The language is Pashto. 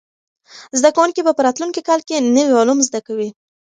زده کوونکي به په راتلونکي کال کې نوي علوم زده کوي.